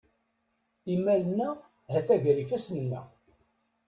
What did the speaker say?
Imal-nneɣ ha-t-a ger ifassen-nneɣ.